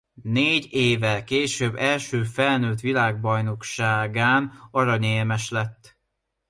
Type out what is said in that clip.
Négy évvel később első felnőtt világbajnokságán aranyérmes lett.